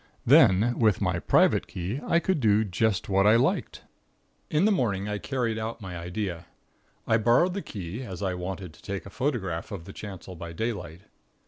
Then, with my private key, I could do just what I liked. "In the morning I carried out my idea. I borrowed the key, as I wanted to take a photograph of the chancel by daylight.